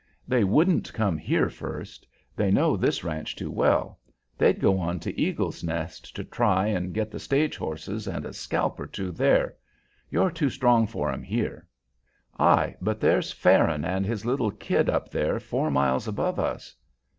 "They wouldn't come here first. They know this ranch too well. They'd go in to Eagle's Nest to try and get the stage horses and a scalp or two there. You're too strong for 'em here." "Ay; but there's Farron and his little kid up there four miles above us."